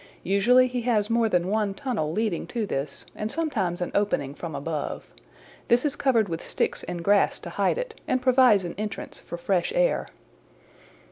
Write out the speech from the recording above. Usually he has more than one tunnel leading to this, and sometimes an opening from above. This is covered with sticks and grass to hide it, and provides an entrance for fresh air.